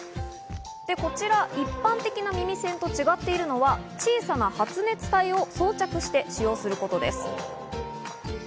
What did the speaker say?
こちら一般的な耳栓と違っているのは小さな発熱体を装着して使用することです。